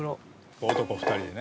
「男２人でね」